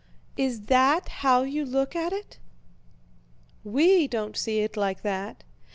Is that how you look at it? We don't see it like that.